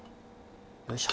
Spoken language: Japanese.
よいしょ。